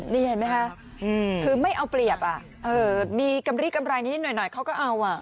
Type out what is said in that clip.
นี่เห็นไหมคะคือไม่เอาเปรียบมีกำลีกำไรนิดหน่อยเขาก็เอา